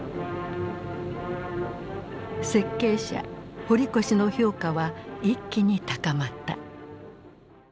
設計者堀越の評価は一気に高まった。